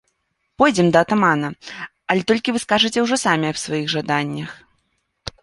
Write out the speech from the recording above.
Пойдзем да атамана, але толькі вы скажаце ўжо самі аб сваіх жаданнях.